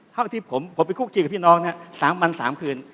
เมื่อผมไปคุกชีกกับพี่น้อง๓บัน๓คืน